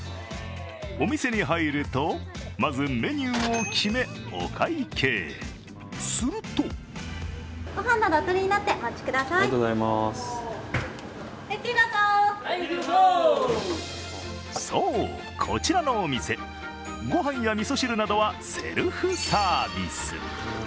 お店に入ると、まずメニューを決めお会計、するとそう、こちらのお店、ご飯やみそ汁などはセルフサービス。